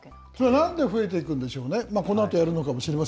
なんで増えていくんでしょうね。